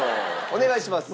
お願いします。